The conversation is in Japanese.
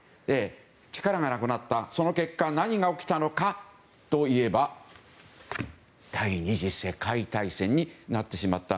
力がなくなった結果何が起きたのかといえば第２次世界大戦になってしまった。